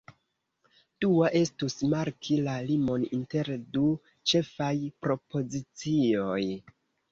Dua estus marki la limon inter du ĉefaj propozicioj.